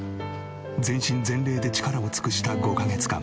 全身全霊で力を尽くした５カ月間。